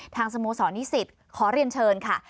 ทางสโมสรนิสิทธิ์ขอเรียนเชิญค่ะ